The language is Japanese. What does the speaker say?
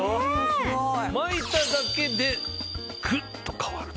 巻いただけでぐっと変わると。